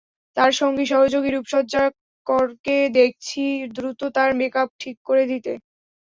তাঁর সঙ্গী সহযোগী রুপসজ্জাকরকে দেখছি দ্রুত তাঁর মেকআপ ঠিক করে দিতে।